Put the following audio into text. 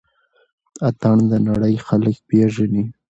اتڼ د نړۍ خلک پيژني